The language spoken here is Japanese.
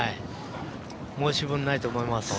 申し分ないと思います。